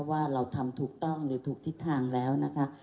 ว่าเราทำถูกต้องหรือถูกทิศทางแล้วนะคะ